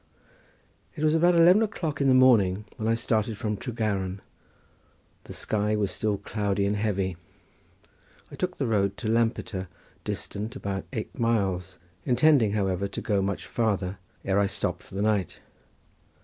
It was about eleven o'clock in the morning when I started from Tregaron; the sky was still cloudy and heavy. I took the road to Lampeter, distant about eight miles, intending, however, to go much farther ere I stopped for the night.